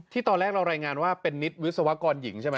ตอนแรกเรารายงานว่าเป็นนิตวิศวกรหญิงใช่ไหม